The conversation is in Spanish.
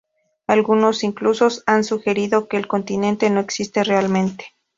Algunos incluso han sugerido que el continente no existe realmente.